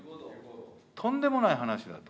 とんでもない話だと。